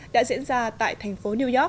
đã diễn ra tại thành phố new york